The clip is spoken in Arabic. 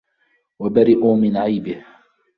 وَبَرِئُوا مِنْ عَيْبِهِ